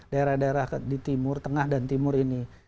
daerah daerah di timur tengah dan timur ini